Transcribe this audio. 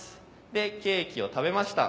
でケーキを食べました